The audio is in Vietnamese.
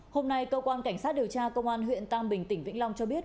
hôm nay cơ quan cảnh sát điều tra công an huyện tam bình tỉnh vĩnh long cho biết